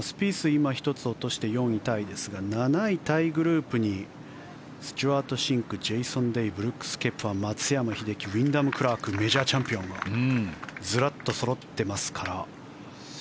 今、１つ落として４位タイですが７位タイグループにスチュワート・シンクジェイソン・デイブルックス・ケプカウィンダム・クラークメジャーチャンピオンがずらっとそろってますから。